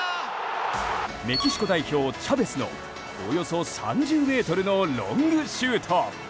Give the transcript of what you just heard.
メキシコ代表チャベスのおよそ３０ｍのロングシュート。